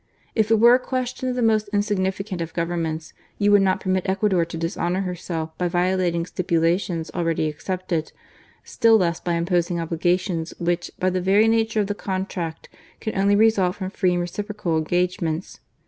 If it were a question of the most in significant of Governments, you would not permit Ecuador to dishonour herself by violating stipula tions already accepted, still less by imposing obliga tions which, by the very nature of the contract, can only result from free and reciprocal engagements.